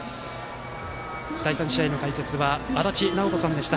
第３試合の解説は足達尚人さんでした。